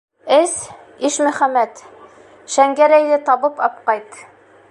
Эс, Ишмөхәмәт, Шәңгәрәйҙе табып апҡайт.